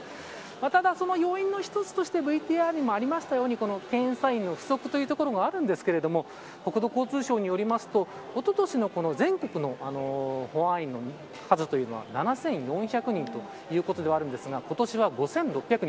ただその要因の一つとしてＶＴＲにもありましたように検査員の不足というところがあるんですけど国土交通省によりますとおととしの全国の保安員の数というのは７４００人ということではあるんですが今年は５６００人。